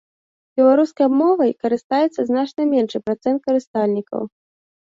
Беларускай мовай карыстаецца значна меншы працэнт карыстальнікаў.